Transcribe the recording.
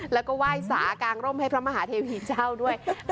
แล้วก็ไหว้สากางร่มให้พระมหาเทวีเจ้าด้วย